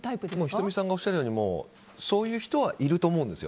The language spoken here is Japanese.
仁美さんがおっしゃるようにそういう人はいると思うんです。